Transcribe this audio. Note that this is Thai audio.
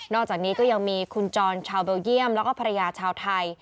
อกจากนี้ก็ยังมีคุณจรชาวเบลเยี่ยมแล้วก็ภรรยาชาวไทย